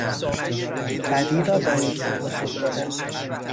بدی را با نیکی پاسخ دادن